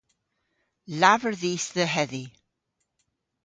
Lavar dhis dhe hedhi.